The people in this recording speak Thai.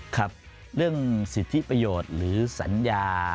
ครับเรื่องสิทธิประโยชน์หรือสัญญา